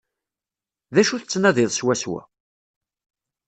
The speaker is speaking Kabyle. D acu tettnadiḍ swaswa?